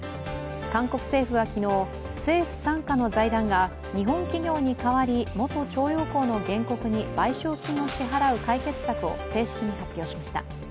韓国政府は昨日、政府傘下の財団が日本企業に代わり元徴用工の原告に賠償金を支払う解決策を正式に発表しました。